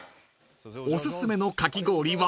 ［おすすめのかき氷は？］